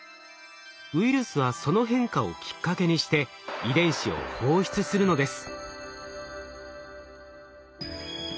ウイルスはその変化をきっかけにして遺伝子を放出するのです。